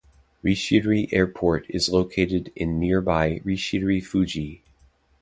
Rishiri Airport is located in nearby Rishirifuji.